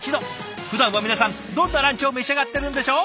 ふだんは皆さんどんなランチを召し上がってるんでしょう？